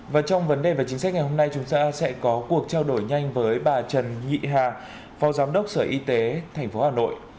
và trong vấn đề về chính sách ngày hôm nay chúng ta sẽ có cuộc trao đổi nhanh với bà trần nhị hà phó giám đốc sở y tế tp hà nội